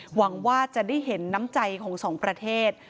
หวังว่าจะได้เห็นน้ำใจของสองประเทศ